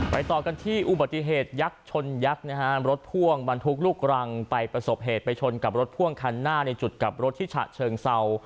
ต่อกันที่อุบัติเหตุยักษ์ชนยักษ์นะฮะรถพ่วงบรรทุกลูกรังไปประสบเหตุไปชนกับรถพ่วงคันหน้าในจุดกลับรถที่ฉะเชิงเศร้า